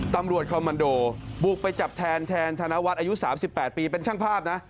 ตำรวจคอมมันโดบุกไปจับแทนธนวัตรอายุ๓๘ปีเป็นช่างภาพนะ